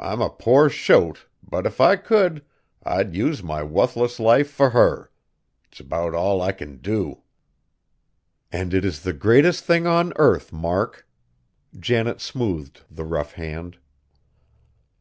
I'm a poor shote, but if I could, I'd use my wuthless life fur her. It's 'bout all I kin do." "And it is the greatest thing on earth, Mark!" Janet smoothed the rough hand.